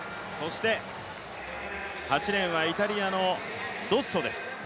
８レーンはイタリアのドッソです。